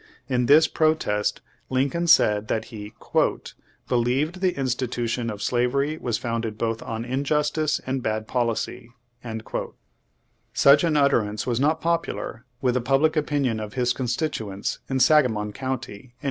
In this protest Lincoln ^The same, p. 72. Page Twenty nine said that he "believed the institution of slavery was founded both on injustice and bad policy." Such an utterance was not popular with the pub lic opinion of his constituents in Sangamon County in 1836.